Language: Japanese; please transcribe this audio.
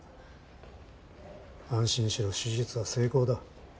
安心しろ手術は成功だ。